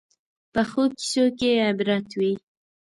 پخو کیسو کې عبرت وي